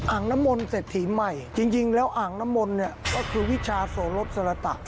อ่างน้ำมนต์เสร็จถีมใหม่จริงแล้วอ่างน้ำมนต์ก็คือวิชาโสรศรัตน์